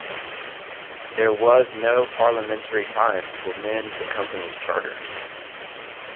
There was no parliamentary time to amend the company's charter.